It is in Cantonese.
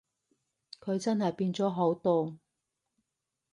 佢真係變咗好多